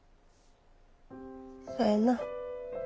そやな。